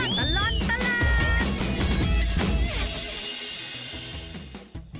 ช่วยตลานตลาด